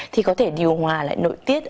thì có thể điều hòa lại nội tiết